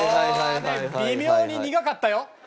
微妙に苦かったよ。